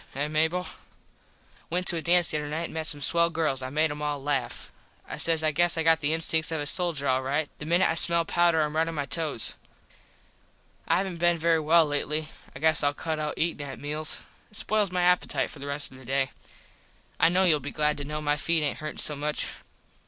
Eh, Mable? Went to a dance the other night and met some swell girls. I made em all laff. I says I guess I got the instinks of a soldier all right. The minit I smell powder Im right on my tows. I havent been very well lately. I guess Ill cut out eatin at meals. It spoils my appitite for the rest of the day. I kno youll be glad to kno my feet aint hurtin so much.